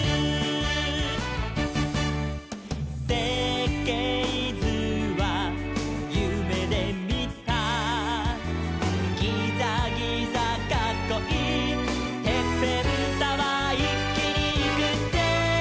「せっけいずはゆめでみた」「ギザギザかっこいいてっぺんタワー」「いっきにいくぜ」